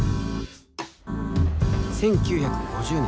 １９５０年